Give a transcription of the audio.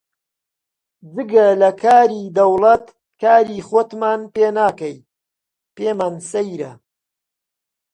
جگە لە کاری دەوڵەت کاری خۆتمان پێ ناکەی، پێمان سەیرە